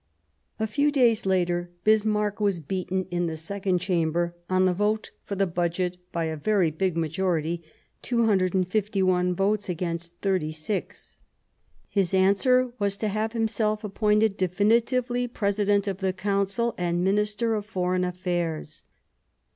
A few days later Bismarck was beaten in the Second Chamber on the vote for the Budget by a very big majority : 251 votes against 36, His answer was to have himself appointed definitively President of the Council and Minister of Foreign Affairs.